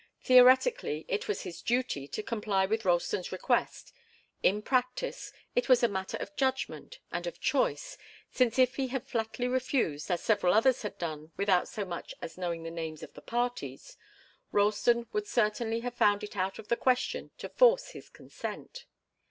Theoretically, it was his duty to comply with Ralston's request. In practice, it was a matter of judgment and of choice, since if he had flatly refused, as several others had done without so much as knowing the names of the parties, Ralston would certainly have found it out of the question to force his consent.